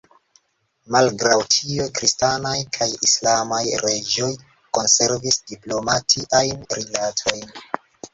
Malgraŭ tio, kristanaj kaj islamaj reĝoj konservis diplomatiajn rilatojn.